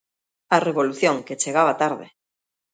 A revolución que chegaba tarde.